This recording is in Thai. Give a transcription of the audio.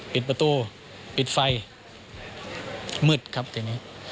ปิดประตูปิดไฟมืดครับทีนี้